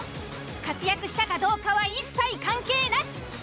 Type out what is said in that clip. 活躍したかどうかは一切関係なし！